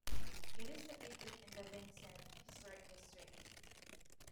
It is located in the Vincennes Historic District.